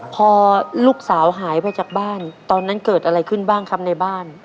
พอลูกสาวหายไปจากบ้านตอนนั้นเกิดอะไรขึ้นบ้างครับในบ้าน